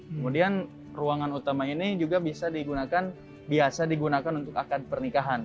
kemudian ruangan utama ini juga bisa digunakan biasa digunakan untuk akad pernikahan